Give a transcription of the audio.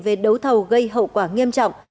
về đấu thầu gây hậu quả nghiêm trọng